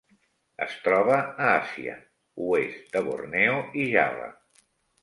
Es troba a Àsia: oest de Borneo i Java.